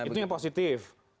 itu yang positif